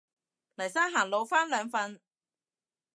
黎生行路返兩份